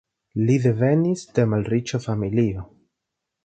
Li devenis de malriĉa familio.